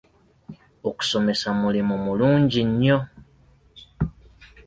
Okusomesa mulimu mulungi nnyo.